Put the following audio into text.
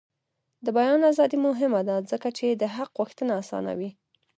د بیان ازادي مهمه ده ځکه چې د حق غوښتنه اسانوي.